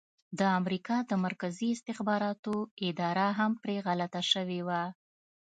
د امریکا د مرکزي استخباراتو اداره هم پرې غلطه شوې وه.